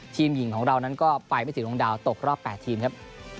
ทีมหญิงของเรานั้นก็ไปไม่ถึงดวงดาวตกรอบ๘ทีมครับ